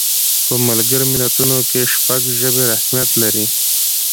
په ملګرو ملتونو کې شپږ ژبې رسمیت لري.